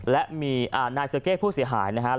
และมีนายเซอร์เก้ผู้เสียหายนะครับ